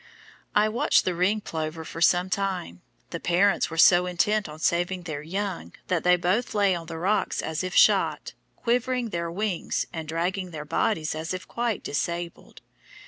I watched the Ring Plover for some time; the parents were so intent on saving their young that they both lay on the rocks as if shot, quivering their wings and dragging their bodies as if quite disabled.